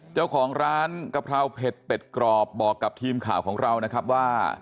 เจ้าของร้านกะเพราเผ็ดเป็ดกรอบบอกกับทีมข่าวของเรานะครับว่า